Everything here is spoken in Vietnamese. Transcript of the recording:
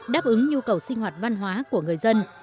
đáp ứng nhu cầu sinh hoạt văn hóa của người dân